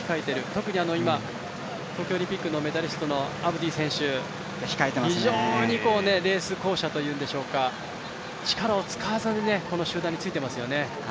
特に今、東京オリンピックのメダリストのアブディ選手、非常にレース巧者というんでしょうか力を使わずに集団についていますよね。